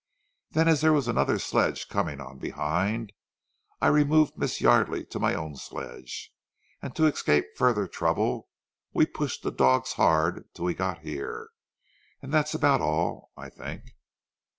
Then as there was another sledge coming on behind, I removed Miss Yardely to my own sledge, and to escape further trouble we pushed the dogs hard till we got here.... And that's about all, I think."